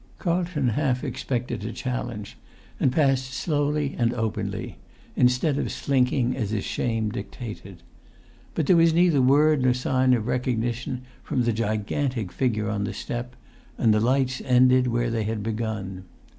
Carlton half expected a challenge, and passed slowly and openly; instead of slinking as his shame dictated. But there was neither word nor sign of recognition from the gigantic figure on the step; and the lights ended where they had begun.